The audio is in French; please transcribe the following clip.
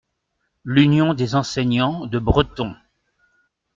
L’Union des Enseignants de Breton.